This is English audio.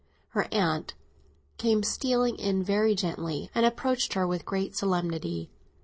Her aunt came stealing in very gently, and approached her with great solemnity.